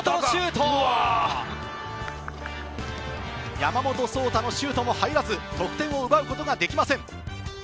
山本颯太のシュートも入らず、得点を奪うことはできません。